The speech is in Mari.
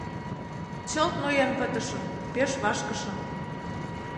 Чылт ноен пытышым, пеш вашкышым.